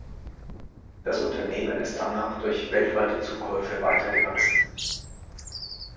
Das Unternehmen ist danach durch weltweite Zukäufe weiter gewachsen.